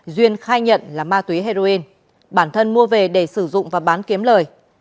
duyên khai nhận là ma túy heroin bản thân mua về để sử dụng và bán kiếm lời